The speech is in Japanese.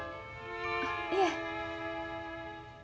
いえ。